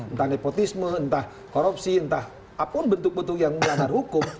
entah nepotisme entah korupsi entah apapun bentuk bentuk yang dasar hukum